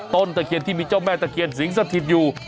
ตะเคียนที่มีเจ้าแม่ตะเคียนสิงสถิตอยู่